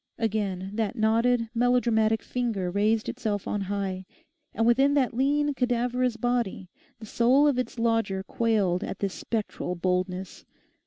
Again that knotted, melodramatic finger raised itself on high; and within that lean, cadaverous body the soul of its lodger quailed at this spectral boldness.